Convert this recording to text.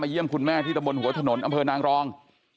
เยี่ยมคุณแม่ที่ตะบนหัวถนนอำเภอนางรอง